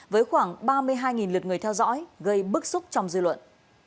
với khoảng ba mươi hai lượt người theo dõi gây bức xúc trong dư luận